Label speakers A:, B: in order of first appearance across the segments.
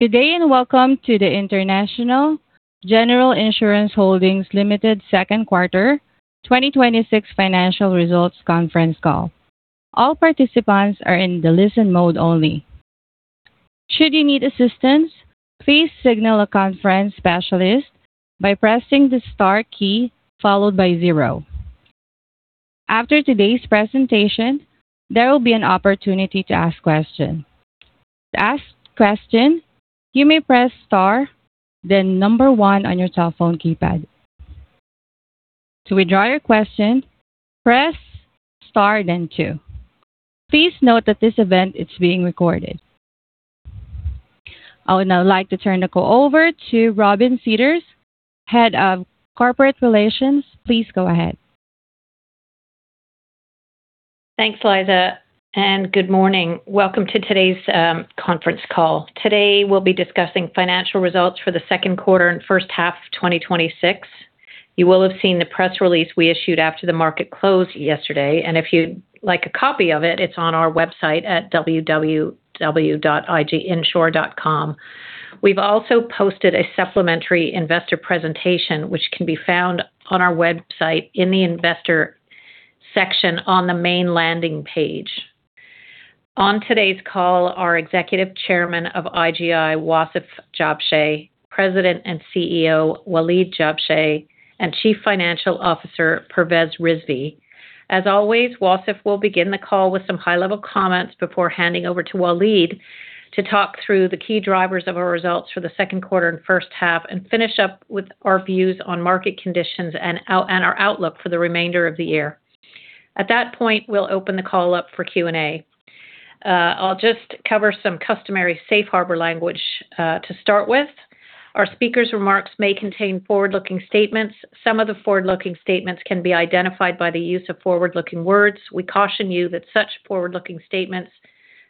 A: Good day, and welcome to the International General Insurance Holdings Ltd. second quarter 2026 financial results conference call. All participants are in the listen mode only. Should you need assistance, please signal a conference specialist by pressing the star key followed by zero. After today's presentation, there will be an opportunity to ask questions. To ask a question, you may press star then one on your telephone keypad. To withdraw your question, press star then two. Please note that this event is being recorded. I would now like to turn the call over to Robin Sidders, Head of Corporate Relations. Please go ahead.
B: Thanks, Liza and good morning. Welcome to today's conference call. Today, we'll be discussing financial results for the second quarter and first half of 2026. You will have seen the press release we issued after the market closed yesterday. If you'd like a copy of it's on our website at www.iginsure.com. We've also posted a supplementary investor presentation, which can be found on our website in the investor section on the main landing page. On today's call, our Executive Chairman of IGI, Wasef Jabsheh, President and CEO, Waleed Jabsheh, and Chief Financial Officer, Pervez Rizvi. As always, Wasef will begin the call with some high-level comments before handing over to Waleed to talk through the key drivers of our results for the second quarter and first half and finish up with our views on market conditions and our outlook for the remainder of the year. At that point, we'll open the call up for Q&A. I'll just cover some customary safe harbor language to start with. Our speakers' remarks may contain forward-looking statements. Some of the forward-looking statements can be identified by the use of forward-looking words. We caution you that such forward-looking statements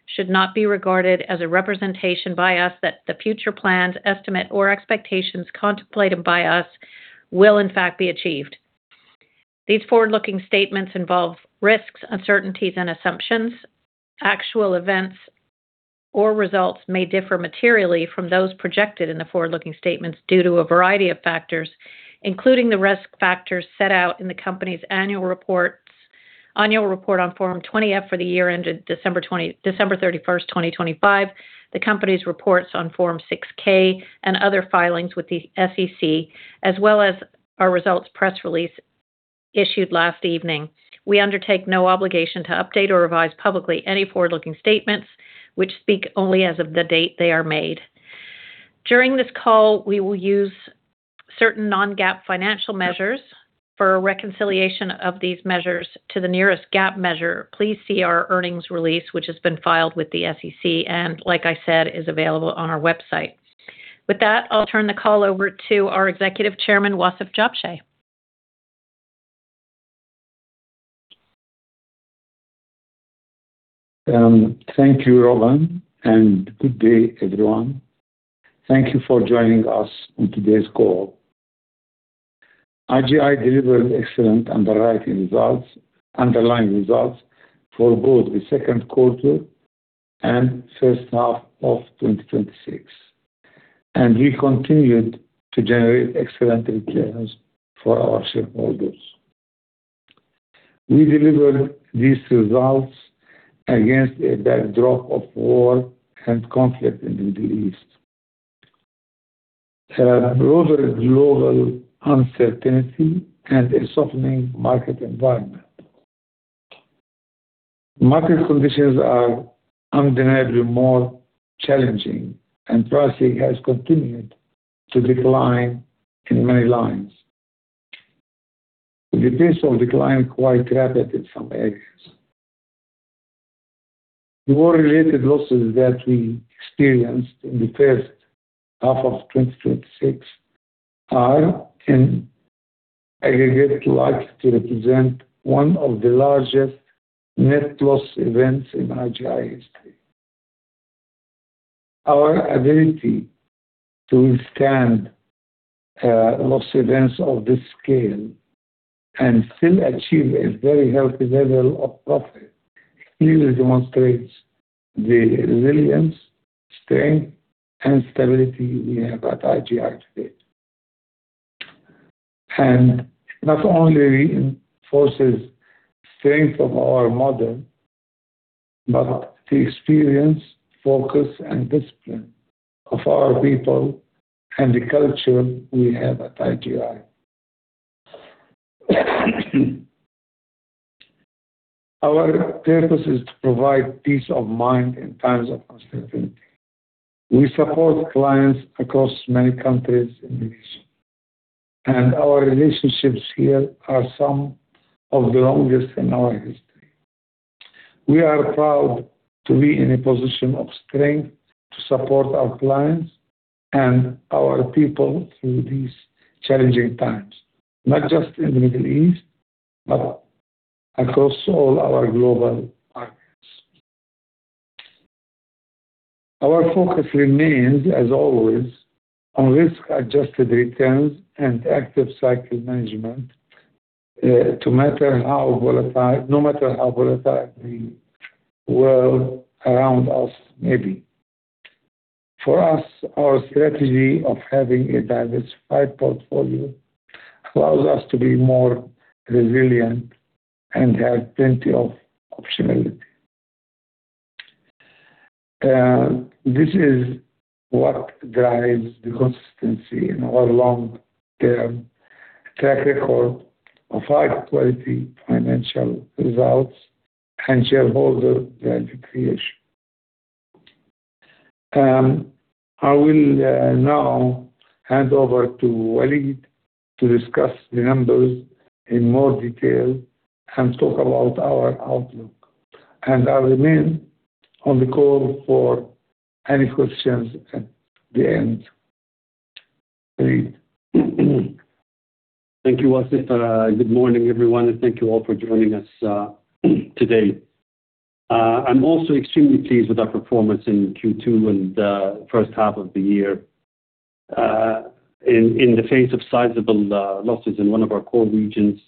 B: should not be regarded as a representation by us that the future plans, estimate, or expectations contemplated by us will in fact be achieved. These forward-looking statements involve risks, uncertainties, and assumptions. Actual events or results may differ materially from those projected in the forward-looking statements due to a variety of factors, including the risk factors set out in the company's annual report on Form 20-F for the year ended December 31st, 2025, the company's reports on Form 6-K and other filings with the SEC, as well as our results press release issued last evening. We undertake no obligation to update or revise publicly any forward-looking statements, which speak only as of the date they are made. During this call, we will use certain non-GAAP financial measures. For a reconciliation of these measures to the nearest GAAP measure, please see our earnings release, which has been filed with the SEC and, like I said, is available on our website. With that, I'll turn the call over to our Executive Chairman, Wasef Jabsheh.
C: Thank you, Robin. Good day, everyone. Thank you for joining us on today's call. IGI delivered excellent underwriting results, underlying results for both the second quarter and first half of 2026, and we continued to generate excellent returns for our shareholders. We delivered these results against a backdrop of war and conflict in the Middle East, broader global uncertainty, and a softening market environment. Market conditions are undeniably more challenging and pricing has continued to decline in many lines. The pace of decline quite rapid in some areas. War-related losses that we experienced in the first half of 2026 are, in aggregate, likely to represent one of the largest net loss events in IGI history. Our ability to withstand loss events of this scale and still achieve a very healthy level of profit clearly demonstrates the resilience, strength, and stability we have at IGI today. Not only reinforces strength of our model, but the experience, focus, and discipline of our people and the culture we have at IGI. Our purpose is to provide peace of mind in times of uncertainty. We support clients across many countries in the region, and our relationships here are some of the longest in our history. We are proud to be in a position of strength to support our clients and our people through these challenging times, not just in the Middle East, but across all our global markets. Our focus remains, as always, on risk-adjusted returns and active cycle management. No matter how volatile the world around us may be. For us, our strategy of having a diversified portfolio allows us to be more resilient and have plenty of optionality. This is what drives the consistency in our long-term track record of high-quality financial results and shareholder value creation. I will now hand over to Waleed to discuss the numbers in more detail and talk about our outlook. I remain on the call for any questions at the end. Waleed?
D: Thank you, Wasef. Good morning, everyone, and thank you all for joining us today. I'm also extremely pleased with our performance in Q2 and the first half of the year. In the face of sizable losses in one of our core regions,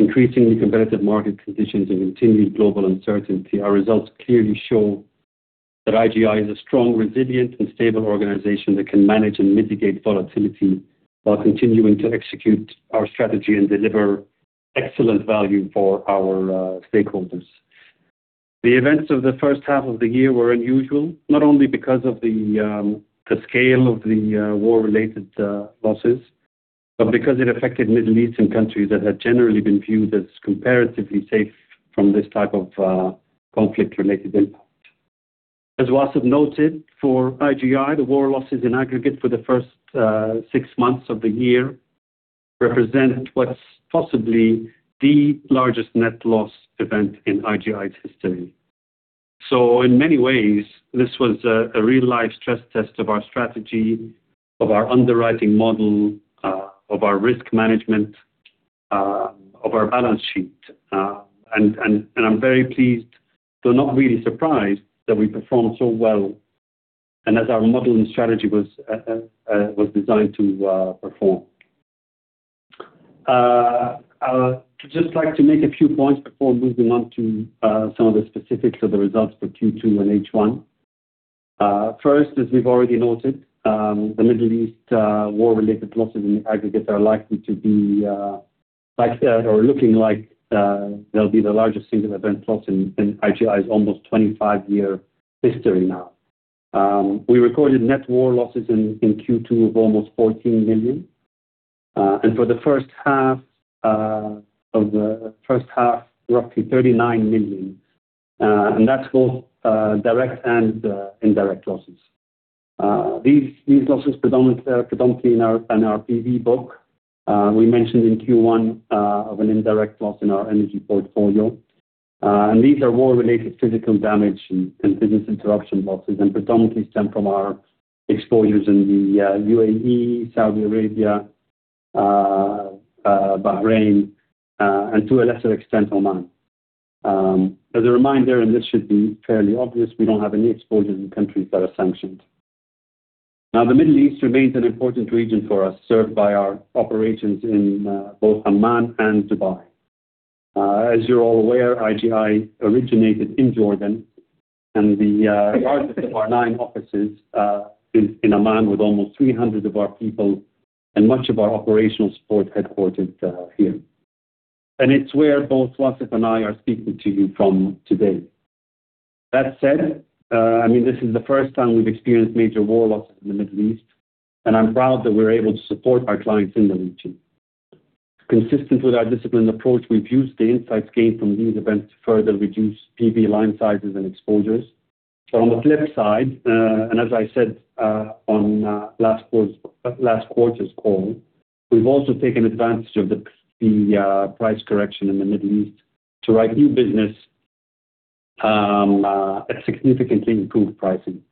D: increasingly competitive market conditions, and continued global uncertainty, our results clearly show that IGI is a strong, resilient, and stable organization that can manage and mitigate volatility while continuing to execute our strategy and deliver excellent value for our stakeholders. The events of the first half of the year were unusual, not only because of the scale of the war-related losses, but because it affected Middle Eastern countries that had generally been viewed as comparatively safe from this type of conflict-related impact. As Wasef noted, for IGI, the war losses in aggregate for the first six months of the year represent what's possibly the largest net loss event in IGI's history. In many ways, this was a real-life stress test of our strategy, of our underwriting model, of our risk management, of our balance sheet, and I'm very pleased, though not really surprised, that we performed so well, and as our model and strategy was designed to perform. I would just like to make a few points before moving on to some of the specifics of the results for Q2 and H1. First, as we've already noted, the Middle East war-related losses in aggregate are looking like they'll be the largest single event loss in IGI's almost 25-year history now. We recorded net war losses in Q2 of almost $14 million, and for the first half, roughly $39 million. That's both direct and indirect losses. These losses predominantly are in our PV book. We mentioned in Q1 of an indirect loss in our energy portfolio. These are war-related physical damage and business interruption losses and predominantly stem from our exposures in the UAE, Saudi Arabia, Bahrain, and to a lesser extent, Oman. As a reminder, this should be fairly obvious, we don't have any exposures in countries that are sanctioned. The Middle East remains an important region for us, served by our operations in both Amman and Dubai. As you're all aware, IGI originated in Jordan, and the largest of our nine offices is in Amman, with almost 300 of our people and much of our operational support headquartered here. It's where both Wasef and I are speaking to you from today. That said, this is the first time we've experienced major war losses in the Middle East, and I'm proud that we were able to support our clients in the region. Consistent with our disciplined approach, we've used the insights gained from these events to further reduce PV line sizes and exposures. On the flip side, as I said on last quarter's call, we've also taken advantage of the price correction in the Middle East to write new business at significantly improved pricing.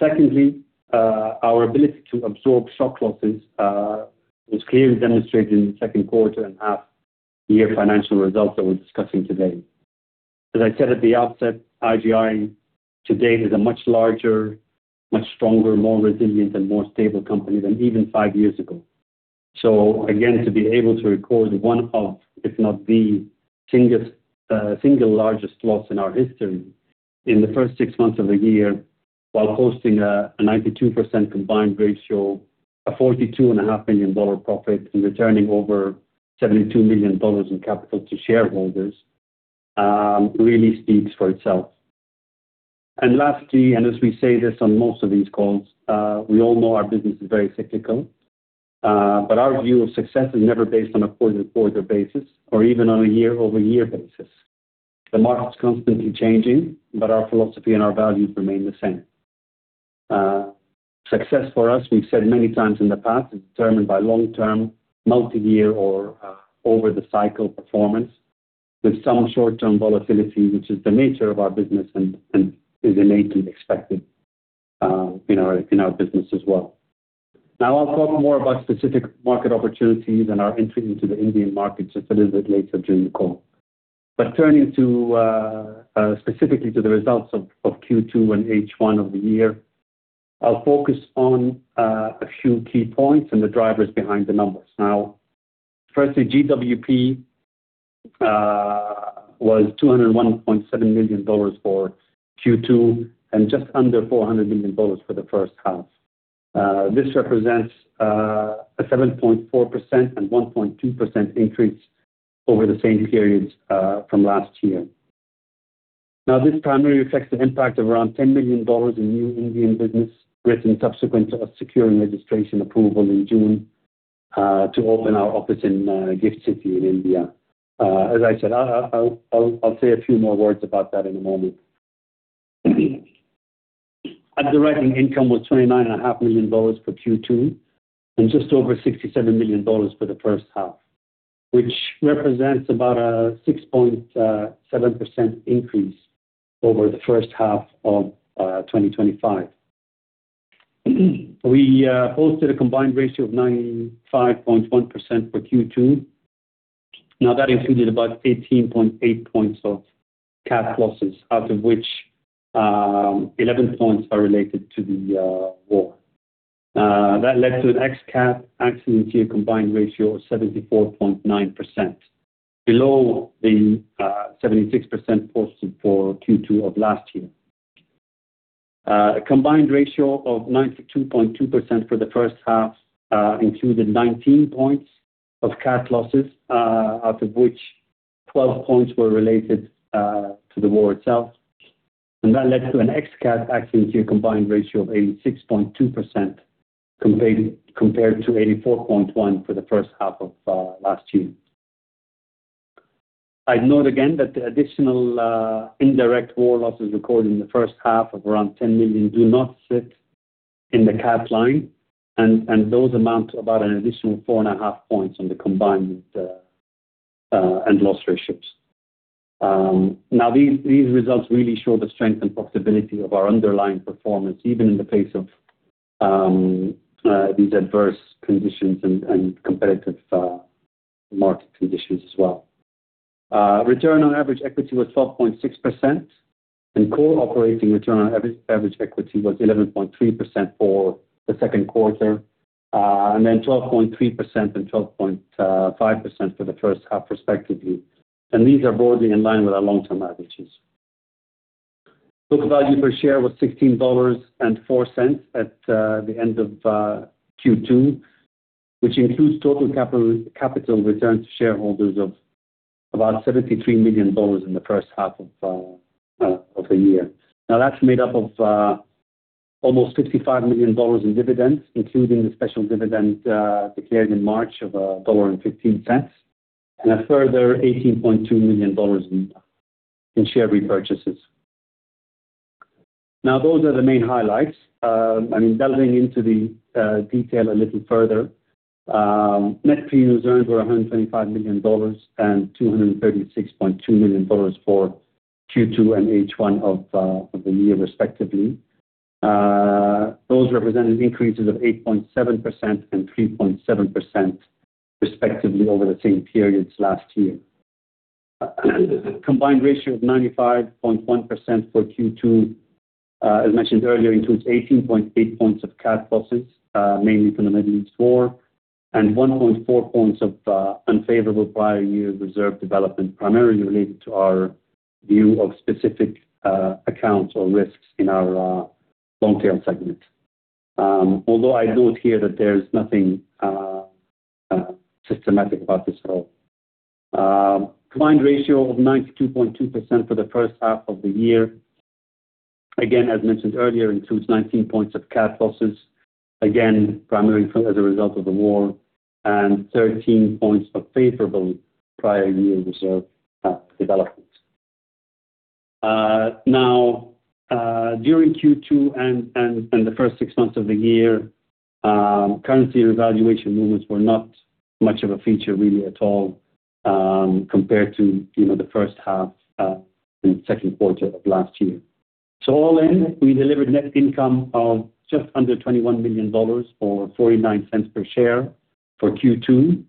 D: Secondly, our ability to absorb shock losses was clearly demonstrated in the second quarter and half year financial results that we're discussing today. As I said at the outset, IGI today is a much larger, much stronger, more resilient, and more stable company than even five years ago. Again, to be able to record one of, if not the single largest loss in our history in the first six months of the year, while hosting a 92% combined ratio, a $42.5 million profit, and returning over $72 million in capital to shareholders, really speaks for itself. Lastly, as we say this on most of these calls, we all know our business is very cyclical, but our view of success is never based on a quarter-to-quarter basis or even on a year-over-year basis. The market's constantly changing, but our philosophy and our values remain the same. Success for us, we've said many times in the past, is determined by long-term, multi-year, or over-the-cycle performance with some short-term volatility, which is the nature of our business and is innately expected in our business as well. I'll talk more about specific market opportunities and our entry into the Indian market just a little bit later during the call. Turning specifically to the results of Q2 and H1 of the year, I'll focus on a few key points and the drivers behind the numbers. GWP was $201.7 million for Q2 and just under $400 million for the first half. This represents a 7.4% and 1.2% increase over the same periods from last year. This primarily reflects the impact of around $10 million in new Indian business written subsequent to us securing registration approval in June to open our office in GIFT City in India. As I said, I'll say a few more words about that in a moment. Underwriting income was $29.5 million for Q2 and just over $67 million for the first half, which represents about a 6.7% increase over the first half of 2025. We posted a combined ratio of 95.1% for Q2. That included about 18.8 points of CAT losses, out of which 11 points are related to the war. That led to an ex-CAT accident year combined ratio of 74.9%, below the 76% posted for Q2 of last year. A combined ratio of 92.2% for the first half included 19 points of CAT losses, out of which 12 points were related to the war itself. That led to an ex-CAT accident year combined ratio of 86.2%, compared to 84.1% for the first half of last year. I'd note again that the additional indirect war losses recorded in the first half of around $10 million do not sit in the cat line, and those amount to about an additional 4.5 points on the combined and loss ratios. These results really show the strength and profitability of our underlying performance, even in the face of these adverse conditions and competitive market conditions as well. Return on average equity was 12.6%, and core operating return on average equity was 11.3% for the second quarter, 12.3% and 12.5% for the first half respectively. These are broadly in line with our long-term averages. Book value per share was $16.04 at the end of Q2, which includes total capital returns to shareholders of about $73 million in the first half of the year. That's made up of almost $55 million in dividends, including the special dividend declared in March of $1.15, and a further $18.2 million in share repurchases. Those are the main highlights. I mean, delving into the detail a little further. Net premiums earned were $125 million and $236.2 million for Q2 and H1 of the year, respectively. Those represented increases of 8.7% and 3.7% respectively over the same periods last year. A combined ratio of 95.1% for Q2, as mentioned earlier, includes 18.8 points of CAT losses, mainly from the Middle East war, and 1.4 points of unfavorable prior year reserve development, primarily related to our view of specific accounts or risks in our long-tail segment. Although I note here that there's nothing systematic about this at all. Combined ratio of 92.2% for the first half of the year, again, as mentioned earlier, includes 19 points of CAT losses, again, primarily as a result of the war, and 13 points of favorable prior year reserve development. During Q2 and the first six months of the year, currency revaluation movements were not much of a feature really at all compared to the first half and second quarter of last year. All in, we delivered net income of just under $21 million, or $0.49 per share for Q2,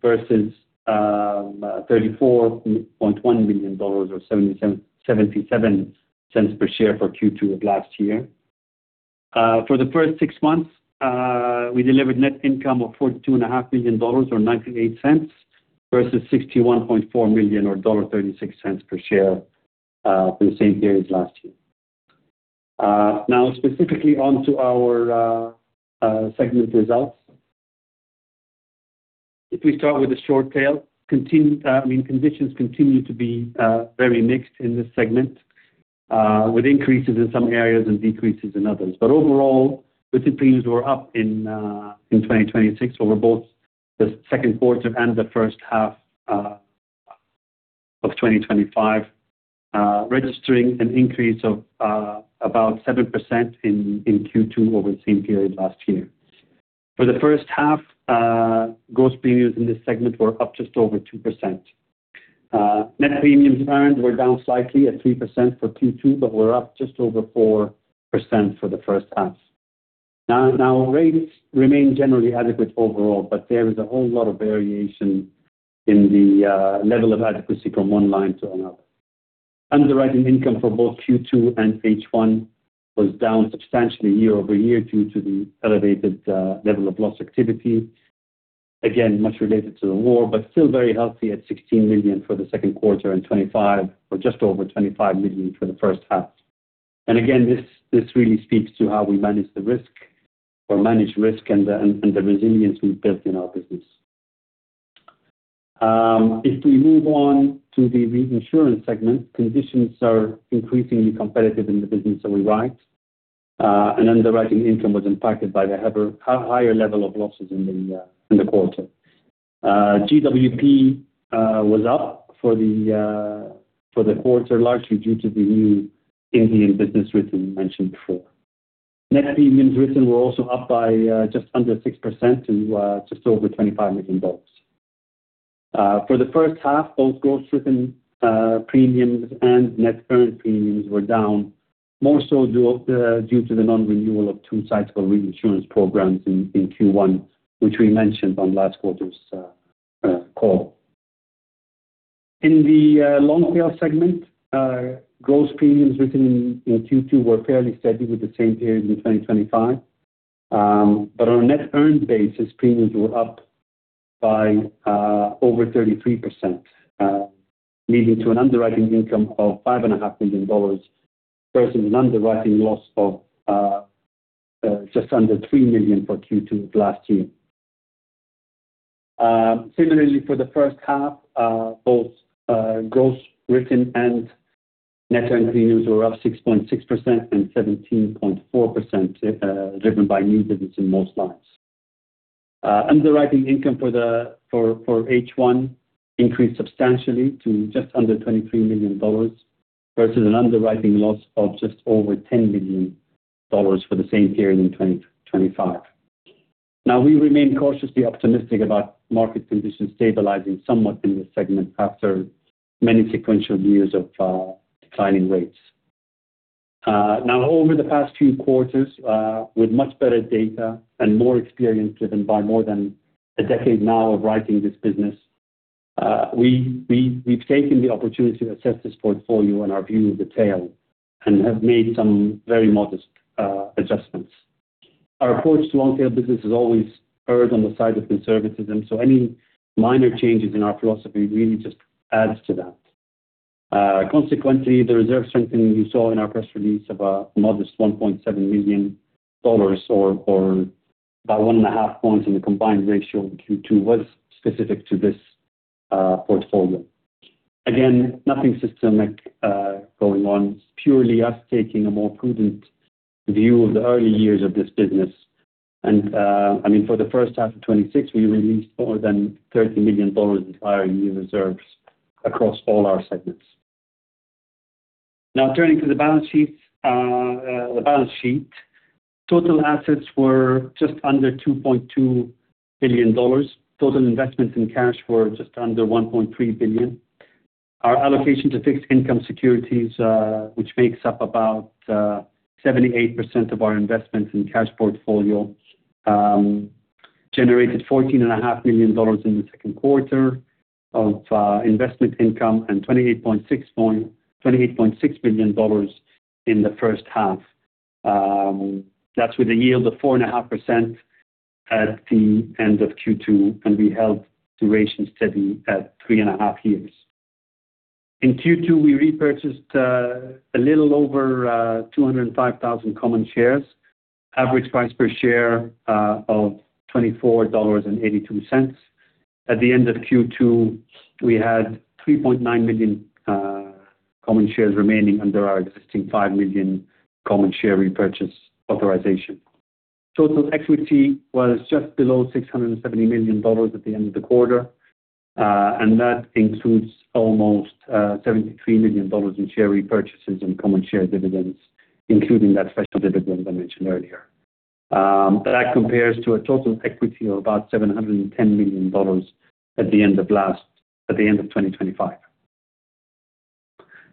D: versus $34.1 million or $0.77 per share for Q2 of last year. For the first six months, we delivered net income of $42.5 million or $0.98, versus $61.4 million or $1.36 per share for the same period last year. Specifically onto our segment results. If we start with the short tail, I mean, conditions continue to be very mixed in this segment, with increases in some areas and decreases in others. Overall, with premiums were up in 2026 over both the second quarter and the first half of 2025, registering an increase of about 7% in Q2 over the same period last year. For the first half, gross premiums in this segment were up just over 2%. Net premiums earned were down slightly at 3% for Q2, but were up just over 4% for the first half. Rates remain generally adequate overall, but there is a whole lot of variation in the level of adequacy from one line to another. Underwriting income for both Q2 and H1 was down substantially year-over-year due to the elevated level of loss activity. Again, much related to the war, but still very healthy at $16 million for the second quarter and just over $25 million for the first half. Again, this really speaks to how we manage the risk or manage risk and the resilience we've built in our business. If we move on to the reinsurance segment, conditions are increasingly competitive in the business that we write. Underwriting income was impacted by the higher level of losses in the quarter. GWP was up for the quarter, largely due to the new Indian business written we mentioned before. Net premiums written were also up by just under 6% to just over $25 million. For the first half, both gross written premiums and net earned premiums were down, more so due to the non-renewal of two sizable reinsurance programs in Q1, which we mentioned on last quarter's call. In the long tail segment, gross premiums written in Q2 were fairly steady with the same period in 2025. On a net earned basis, premiums were up by over 33%, leading to an underwriting income of $5.5 million versus an underwriting loss of just under $3 million for Q2 of last year. Similarly, for the first half, both gross written and net earned premiums were up 6.6% and 17.4%, driven by new business in most lines. Underwriting income for H1 increased substantially to just under $23 million, versus an underwriting loss of just over $10 million for the same period in 2025. We remain cautiously optimistic about market conditions stabilizing somewhat in this segment after many sequential years of declining rates. Now, over the past few quarters, with much better data and more experience driven by more than a decade now of writing this business, we've taken the opportunity to assess this portfolio and our view of the tail and have made some very modest adjustments. Our approach to long tail business is always erred on the side of conservatism, so any minor changes in our philosophy really just adds to that. Consequently, the reserve strengthening we saw in our press release of a modest $1.7 million or about 1.5 points in the combined ratio in Q2 was specific to this portfolio. Again, nothing systemic going on. It's purely us taking a more prudent view of the early years of this business. For the first half of 2026, we released more than $30 million in higher year reserves across all our segments. Now turning to the balance sheet. Total assets were just under $2.2 billion. Total investments in cash were just under $1.3 billion. Our allocation to fixed income securities, which makes up about 78% of our investments in cash portfolio, generated $14.5 million in the second quarter of investment income and $28.6 million in the first half. That's with a yield of 4.5% at the end of Q2, and we held duration steady at 3.5 years. In Q2, we repurchased a little over 205,000 common shares, average price per share of $24.82. At the end of Q2, we had 3.9 million common shares remaining under our existing 5 million common share repurchase authorization. Total equity was just below $670 million at the end of the quarter. That includes almost $73 million in share repurchases and common share dividends, including that special dividend I mentioned earlier. That compares to a total equity of about $710 million at the end of 2025.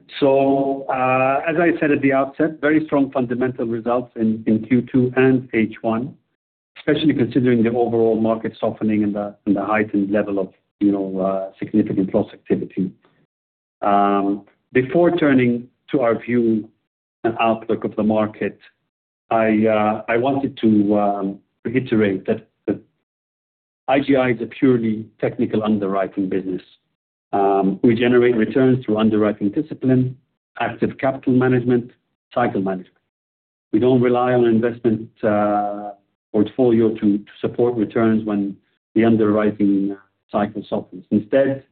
D: As I said at the outset, very strong fundamental results in Q2 and H1, especially considering the overall market softening and the heightened level of significant loss activity. Before turning to our view and outlook of the market, I wanted to reiterate that IGI is a purely technical underwriting business. We generate returns through underwriting discipline, active capital management, cycle management. We don't rely on investment portfolio to support returns when the underwriting cycle softens. Instead,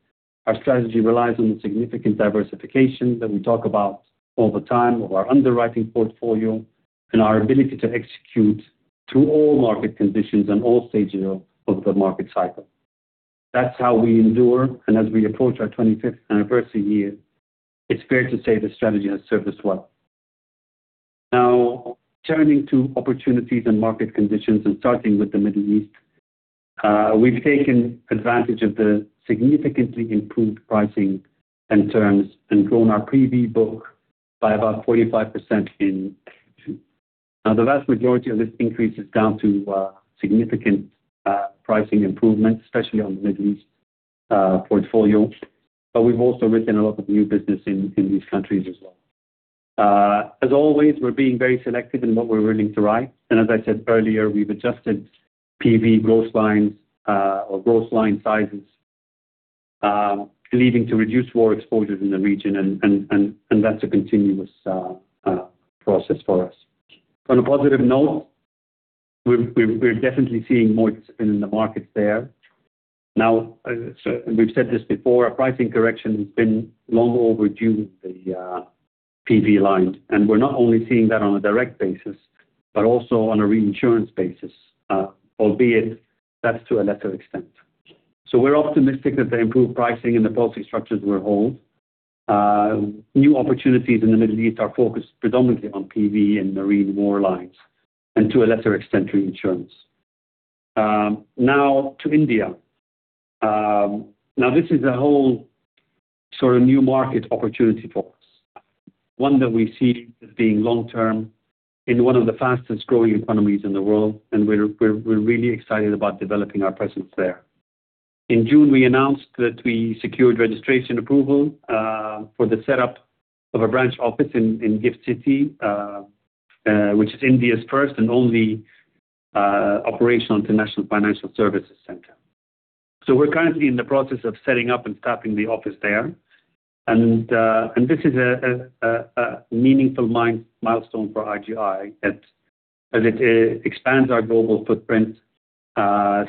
D: our strategy relies on the significant diversification that we talk about all the time of our underwriting portfolio and our ability to execute through all market conditions and all stages of the market cycle. That's how we endure, and as we approach our 25th anniversary year, it's fair to say the strategy has served us well. Now, turning to opportunities and market conditions, and starting with the Middle East. We've taken advantage of the significantly improved pricing and terms and grown our PV book by about 45% in H2. Now, the vast majority of this increase is down to significant pricing improvements, especially on the Middle East portfolio, but we've also written a lot of new business in these countries as well. As always, we're being very selective in what we're willing to write. As I said earlier, we've adjusted PV gross lines or gross line sizes, leading to reduced war exposures in the region and that's a continuous process for us. On a positive note, we're definitely seeing more discipline in the markets there. Now, we've said this before, a pricing correction has been long overdue in the PV line. We're not only seeing that on a direct basis, but also on a reinsurance basis, albeit that's to a lesser extent. We're optimistic that the improved pricing and the policy structures will hold. New opportunities in the Middle East are focused predominantly on PV and marine war lines and, to a lesser extent, reinsurance. To India. This is a whole sort of new market opportunity for us. One that we see as being long-term in one of the fastest growing economies in the world, and we're really excited about developing our presence there. In June, we announced that we secured registration approval for the setup of a branch office in GIFT City, which is India's first and only operational international financial services center. We're currently in the process of setting up and staffing the office there. This is a meaningful milestone for IGI as it expands our global footprint,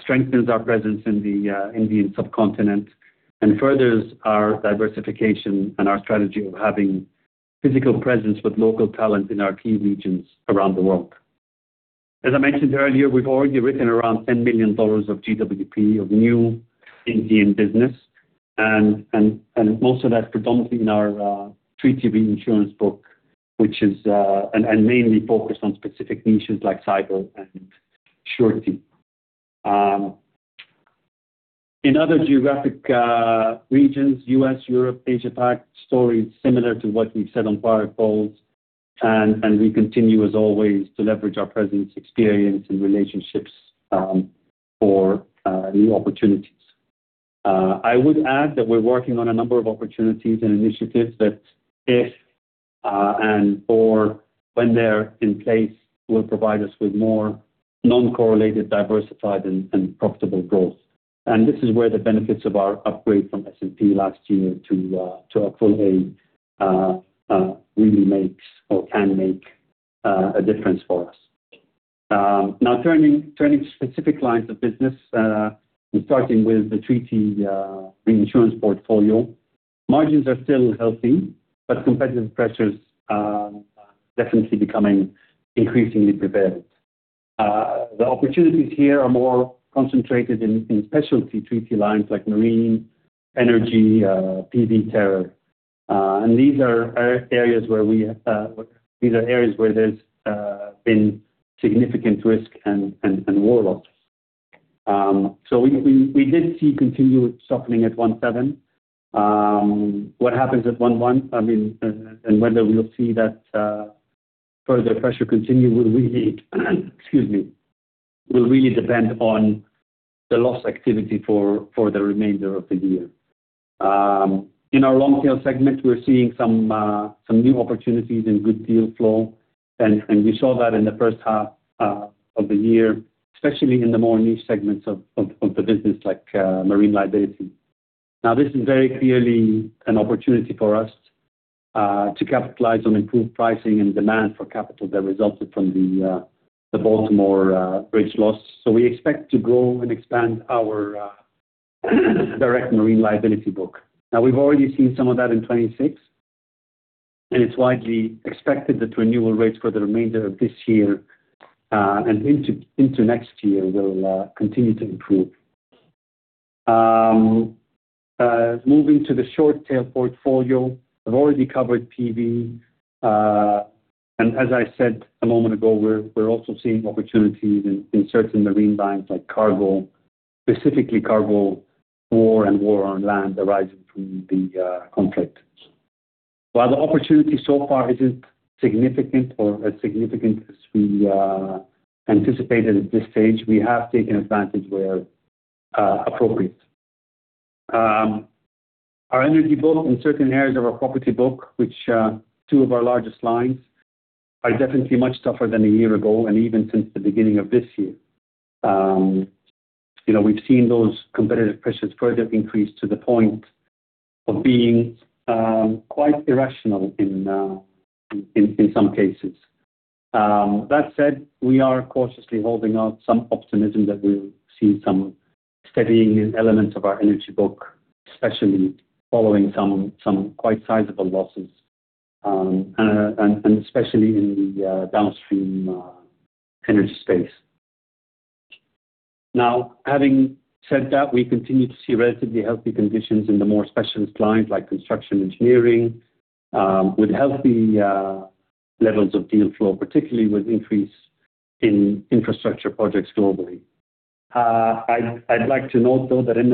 D: strengthens our presence in the Indian subcontinent, and furthers our diversification and our strategy of having physical presence with local talent in our key regions around the world. As I mentioned earlier, we've already written around $10 million of GWP of new Indian business, and most of that's predominantly in our treaty reinsurance book, and mainly focused on specific niches like cyber and surety. In other geographic regions, U.S., Europe, Asia Pac, story is similar to what we've said on prior calls, and we continue as always to leverage our presence, experience, and relationships for new opportunities. I would add that we're working on a number of opportunities and initiatives that if and/or when they're in place, will provide us with more non-correlated, diversified, and profitable growth. This is where the benefits of our upgrade from S&P last year to a full A really makes or can make a difference for us. Turning to specific lines of business, and starting with the treaty reinsurance portfolio. Margins are still healthy, but competitive pressures are definitely becoming increasingly prevalent. The opportunities here are more concentrated in specialty treaty lines like marine, energy, PV, terror. These are areas where there's been significant risk and war losses. We did see continued softening at 1.7. What happens at 1.1, and whether we'll see that further pressure continue will really depend on the loss activity for the remainder of the year. In our long tail segment, we're seeing some new opportunities and good deal flow. We saw that in the first half of the year, especially in the more niche segments of the business like marine liability. This is very clearly an opportunity for us to capitalize on improved pricing and demand for capital that resulted from the Baltimore bridge loss. We expect to grow and expand our direct marine liability book. We've already seen some of that in 2026, and it's widely expected that renewal rates for the remainder of this year and into next year will continue to improve. Moving to the short tail portfolio. I've already covered PV. As I said a moment ago, we're also seeing opportunities in certain marine lines like cargo, specifically cargo war and war on land arising from the conflict. While the opportunity so far isn't significant or as significant as we anticipated at this stage, we have taken advantage where appropriate. Our energy book and certain areas of our property book, which are two of our largest lines, are definitely much tougher than a year ago and even since the beginning of this year. We've seen those competitive pressures further increase to the point of being quite irrational in some cases. That said, we are cautiously holding out some optimism that we'll see some steadying in elements of our energy book, especially following some quite sizable losses, and especially in the downstream energy space. Having said that, we continue to see relatively healthy conditions in the more specialist lines like construction engineering, with healthy levels of deal flow, particularly with increase in infrastructure projects globally. I'd like to note, though, that in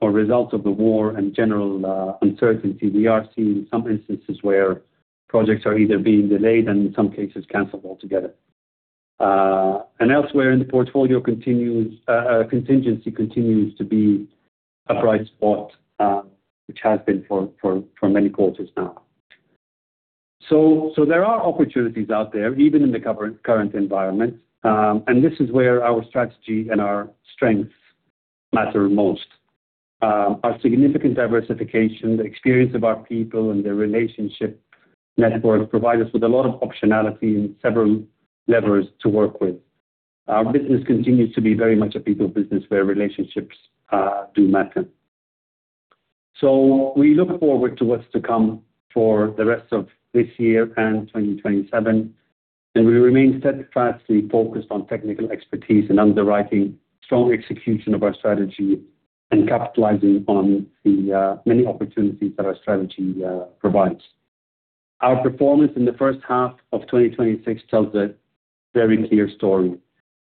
D: the Middle East, as a direct symptom or result of the war and general uncertainty, we are seeing some instances where projects are either being delayed and in some cases canceled altogether. Elsewhere in the portfolio, contingency continues to be a bright spot, which has been for many quarters now. There are opportunities out there, even in the current environment. This is where our strategy and our strengths matter most. Our significant diversification, the experience of our people and their relationship network provides us with a lot of optionality and several levers to work with. Our business continues to be very much a people business where relationships do matter. We look forward to what's to come for the rest of this year and 2027. We remain steadfastly focused on technical expertise and underwriting, strong execution of our strategy, and capitalizing on the many opportunities that our strategy provides. Our performance in the first half of 2026 tells a very clear story.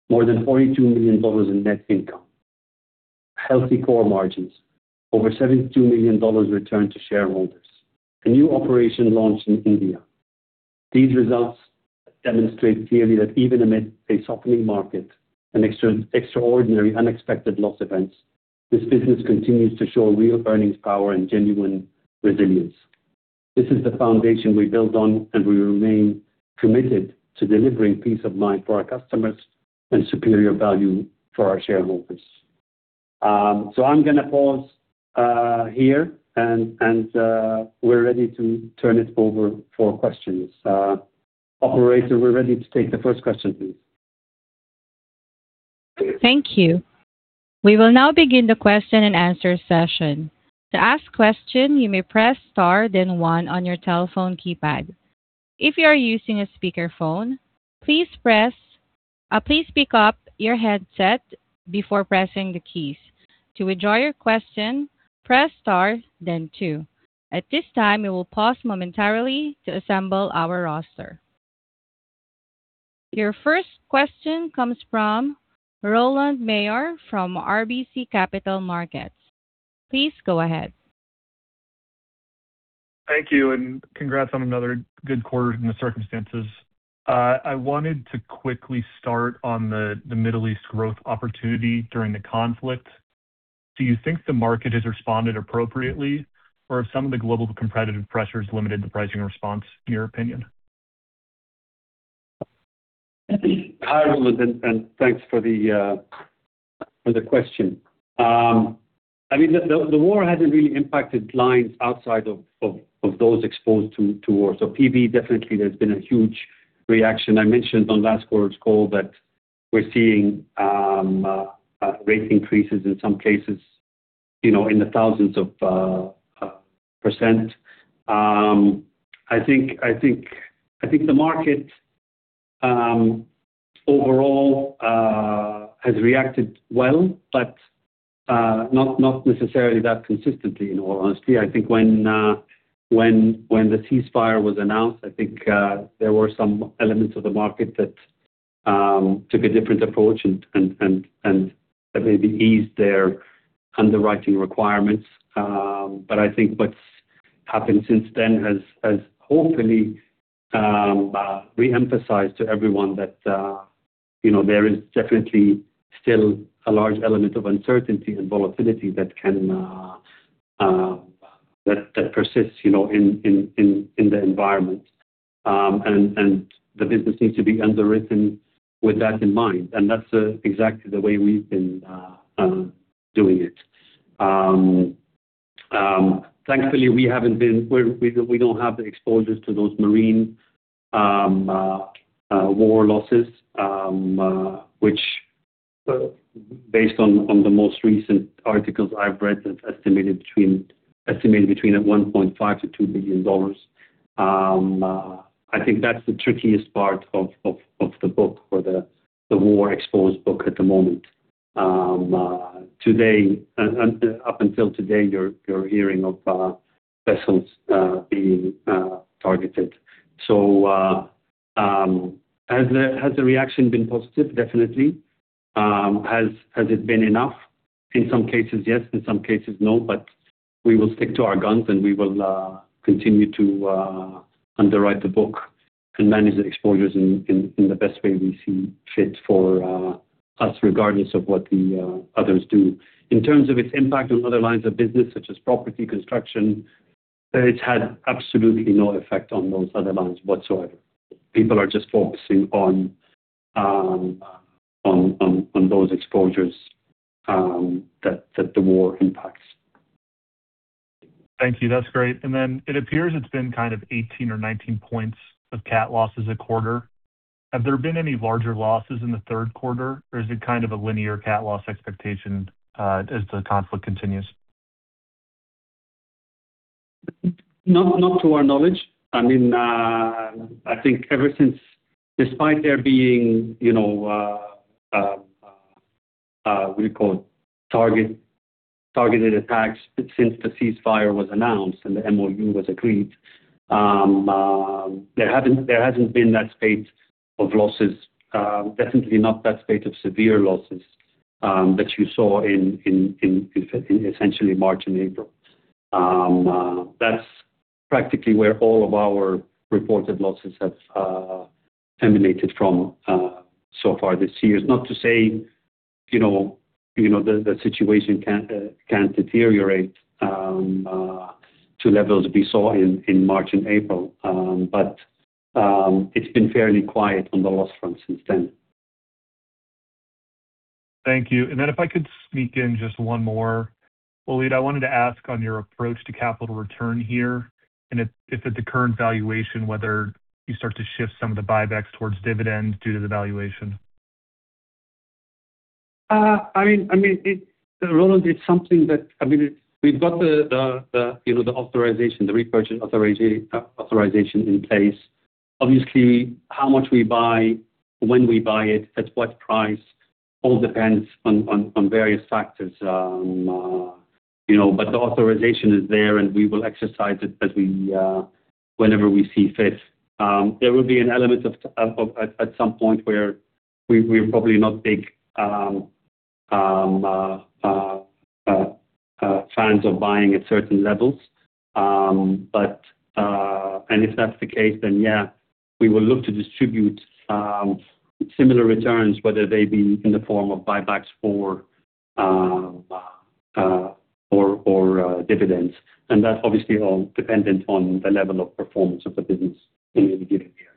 D: More than $42 million in net income. Healthy core margins. Over $72 million returned to shareholders. A new operation launch in India. These results demonstrate clearly that even amid a softening market, an extraordinary unexpected loss events, this business continues to show real earnings power and genuine resilience. This is the foundation we build on, and we remain committed to delivering peace of mind for our customers and superior value for our shareholders. I'm going to pause here, and we're ready to turn it over for questions. Operator, we're ready to take the first question, please.
A: Thank you. We will now begin the question and answer session. To ask a question, you may press star then one on your telephone keypad. If you are using a speakerphone, please pick up your headset before pressing the keys. To withdraw your question, press star then two. At this time, we will pause momentarily to assemble our roster. Your first question comes from Rowland Mayor from RBC Capital Markets. Please go ahead.
E: Thank you, congrats on another good quarter in the circumstances. I wanted to quickly start on the Middle East growth opportunity during the conflict. Do you think the market has responded appropriately, or have some of the global competitive pressures limited the pricing response, in your opinion?
D: Hi, Rowland, thanks for the question. The war hasn't really impacted lines outside of those exposed to war. PV, definitely there's been a huge reaction. I mentioned on last quarter's call that we're seeing rate increases in some cases in the thousands of percent. I think the market overall has reacted well, not necessarily that consistently, in all honesty. I think when the ceasefire was announced, I think there were some elements of the market that took a different approach and maybe eased their underwriting requirements. I think what's happened since then has hopefully re-emphasized to everyone that there is definitely still a large element of uncertainty and volatility that persists in the environment. The business needs to be underwritten with that in mind, and that's exactly the way we've been doing it. Thankfully, we don't have the exposures to those marine war losses, which based on the most recent articles I've read, that's estimated between $1.5 billion-$2 billion. I think that's the trickiest part of the book or the war exposed book at the moment. Up until today, you're hearing of vessels being targeted. Has the reaction been positive? Definitely. Has it been enough? In some cases, yes. In some cases, no. We will stick to our guns, we will continue to underwrite the book and manage the exposures in the best way we see fit for us, regardless of what the others do. In terms of its impact on other lines of business, such as property construction, it's had absolutely no effect on those other lines whatsoever. People are just focusing on those exposures that the war impacts.
E: Thank you. That's great. It appears it's been kind of 18 or 19 points of CAT losses a quarter. Have there been any larger losses in the third quarter, or is it kind of a linear CAT loss expectation as the conflict continues?
D: Not to our knowledge. We call it targeted attacks. Since the ceasefire was announced and the MoU was agreed, there hasn't been that spate of losses, definitely not that spate of severe losses, that you saw in essentially March and April. That's practically where all of our reported losses have emanated from so far this year. Not to say the situation can't deteriorate to levels we saw in March and April. It's been fairly quiet on the loss front since then.
E: Thank you. If I could sneak in just one more. Waleed, I wanted to ask on your approach to capital return here, and if at the current valuation, whether you start to shift some of the buybacks towards dividends due to the valuation.
D: Rowland, it's something that we've got the authorization, the repurchase authorization in place. Obviously, how much we buy, when we buy it, at what price, all depends on various factors. The authorization is there, and we will exercise it whenever we see fit. There will be an element at some point where we're probably not big fans of buying at certain levels. If that's the case, then yeah, we will look to distribute similar returns, whether they be in the form of buybacks or dividends. That's obviously all dependent on the level of performance of the business in any given year.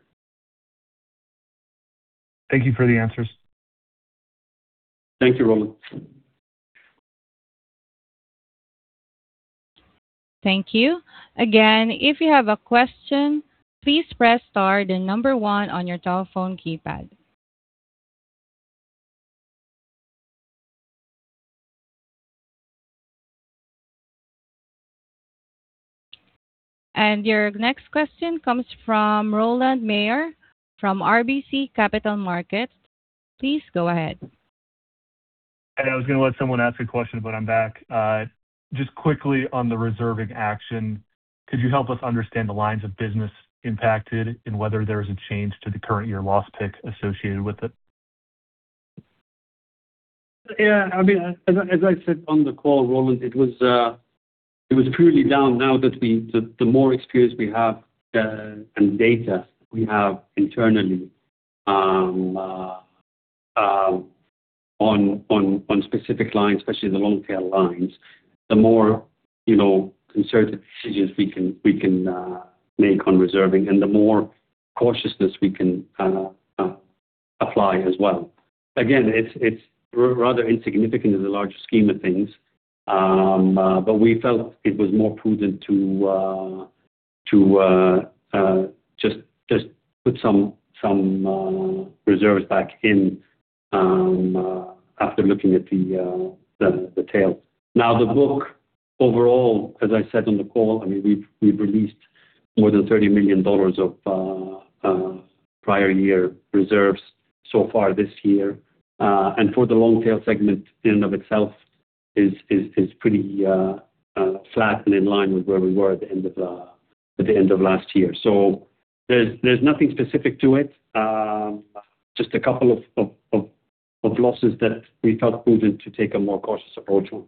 E: Thank you for the answers.
D: Thank you, Rowland.
A: Thank you. Again, if you have a question, please press star, then number one on your telephone keypad. Your next question comes from Rowland Mayor from RBC Capital Markets. Please go ahead.
E: I was going to let someone ask a question, but I'm back. Just quickly on the reserving action, could you help us understand the lines of business impacted and whether there is a change to the current year loss pick associated with it?
D: Yeah. As I said on the call, Rowland, it was purely down now that the more experience we have and data we have internally on specific lines, especially in the long-tail lines, the more concerted decisions we can make on reserving and the more cautiousness we can apply as well. Again, it's rather insignificant in the large scheme of things. We felt it was more prudent to just put some reserves back in after looking at the tail. Now, the book overall, as I said on the call, we've released more than $30 million of prior year reserves so far this year. For the long tail segment in and of itself is pretty flat and in line with where we were at the end of last year. There's nothing specific to it. Just a couple of losses that we felt prudent to take a more cautious approach on.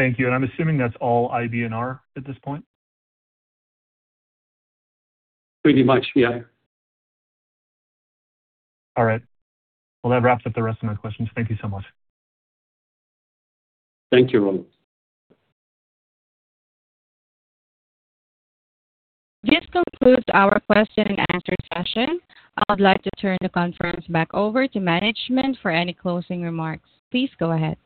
E: Thank you. I'm assuming that's all IBNR at this point?
D: Pretty much, yeah.
E: All right. Well, that wraps up the rest of my questions. Thank you so much.
D: Thank you, Rowland.
A: This concludes our question and answer session. I would like to turn the conference back over to management for any closing remarks. Please go ahead.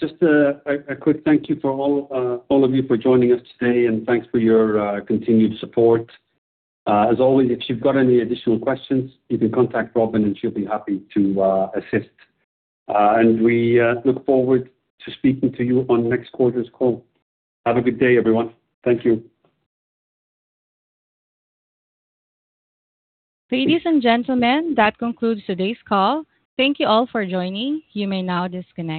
D: Just a quick thank you for all of you for joining us today, and thanks for your continued support. As always, if you've got any additional questions, you can contact Robin and she'll be happy to assist. We look forward to speaking to you on next quarter's call. Have a good day, everyone. Thank you.
A: Ladies and gentlemen, that concludes today's call. Thank you all for joining. You may now disconnect.